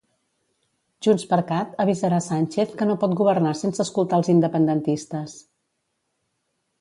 JxCat avisarà Sánchez que no pot governar sense escoltar els independentistes.